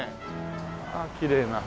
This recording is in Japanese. ああきれいな。